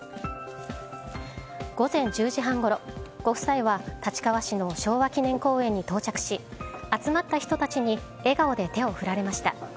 午前１０時半ごろご夫妻は、立川市の昭和記念公園に到着し集まった人たちに笑顔で手を振られました。